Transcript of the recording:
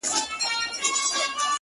o تور یم، موړ یمه د ژوند له خرمستیو،